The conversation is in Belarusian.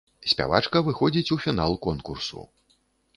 Спявачка выходзіць у фінал конкурсу.